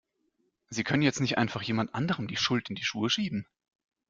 Sie können jetzt nicht einfach jemand anderem die Schuld in die Schuhe schieben!